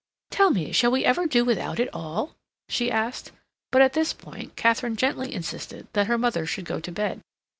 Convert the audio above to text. "Tell me, shall we ever do without it all?" she asked, but at this point Katharine gently insisted that her mother should go to bed.